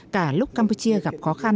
cả lúc campuchia gặp khó khăn